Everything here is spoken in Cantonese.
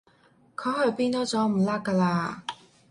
佢去邊都走唔甩㗎啦